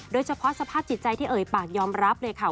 โดยเฉพาะสภาพจิตใจที่เอ่ยปากยอมรับเลยค่ะ